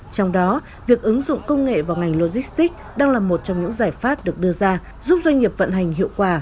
trong đó việc ứng dụng công nghệ vào ngành logistics đang là một trong những giải pháp được đưa ra giúp doanh nghiệp vận hành hiệu quả